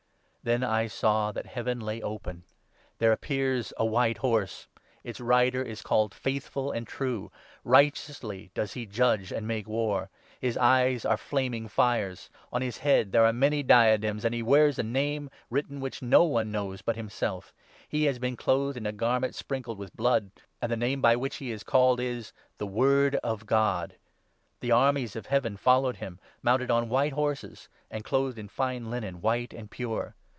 Then I saw that Heaven lay open. There appears a white 1 1 horse ; its rider is called ' Faithful ' and ' True '; righteously does he judge and make war. His eyes are flaming fires ; on 12 his head there are many diadems, and he bears a name, writ ten, which no one knows but himself; he has been clothed in 13 a garment sprinkled with blood ; and the name by which he is called is 'The Word of God.' The armies of Heaven 14 followed him, mounted on white horses and clothed in fine linen, white and pure.